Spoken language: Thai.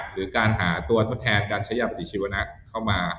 หรือการหาตัวทดแทนการใช้ยาปฏิชีวนะเข้ามา